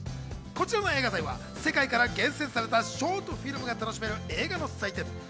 こちらの映画祭は世界から厳選されたショートフィルムが楽しめる映画の祭典。